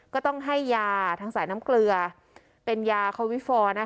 ก็ต้องให้ยาทางสายน้ำเกลือเป็นยาคอวิฟอร์